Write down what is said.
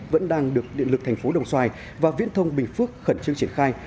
vẫn đang được điện lực thành phố đồng xoài và viễn thông bình phước khẩn trương triển khai